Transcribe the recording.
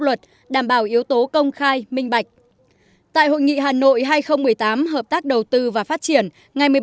luật đảm bảo yếu tố công khai minh bạch tại hội nghị hà nội hai nghìn một mươi tám hợp tác đầu tư và phát triển ngày